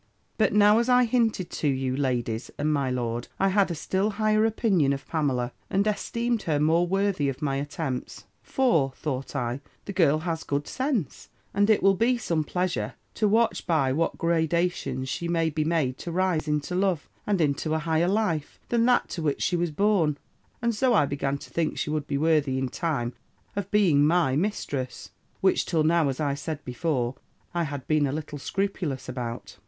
"But now, as I hinted to you, ladies, and my lord, I had a still higher opinion of Pamela; and esteemed her more worthy of my attempts. 'For,' thought I, 'the girl has good sense, and it will be some pleasure to watch by what gradations she may be made to rise into love, and into a higher life, than that to which she was born.' And so I began to think she would be worthy in time of being my mistress, which, till now, as I said before, I had been a little scrupulous about.